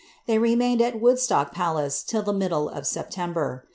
They remained at Woodstock Palace till the middle of September.